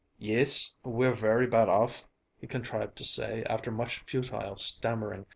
"Yis, we're very bad off," he contrived to say after much futile stammering.